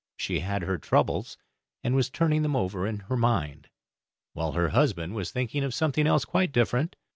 She had her troubles, and was turning them over in her mind, while her husband was thinking of something else quite different.